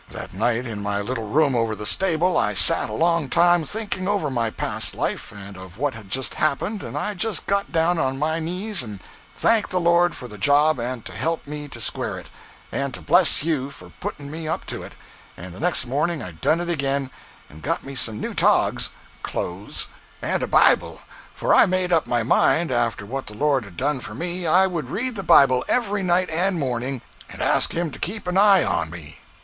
that nite in my little room over the stable i sat a long time thinking over my past life & of what had just happened & i just got down on my nees & thanked the Lord for the job & to help me to square it, & to bless you for putting me up to it, & the next morning i done it again & got me some new togs (clothes) & a bible for i made up my mind after what the Lord had done for me i would read the bible every nite and morning, & ask him to keep an eye on me.